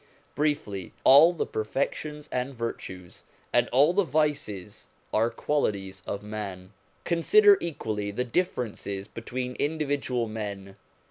Briefly, all the perfections and virtues, and all the vices, are qualities of man. Consider equally the differences between individual men.